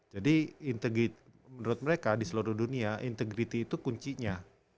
jadi menurut mereka di seluruh dunia integrity itu kuncinya